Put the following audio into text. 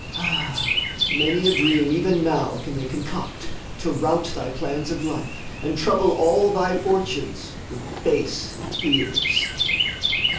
Ah, many a dream even now Can they concoct to rout thy plans of life, And trouble all thy fortunes with base fears.